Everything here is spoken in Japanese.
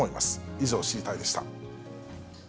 以上、知りたいッ！でした。